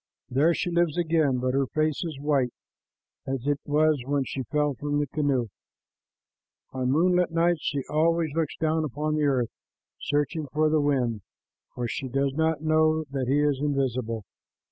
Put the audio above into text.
There she lives again, but her face is white, as it was when she fell from the canoe. On moonlight nights she always looks down upon the earth, searching for the wind, for she does not know that he is invisible.